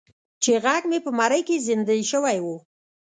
چې غږ مې په مرۍ کې زیندۍ شوی و.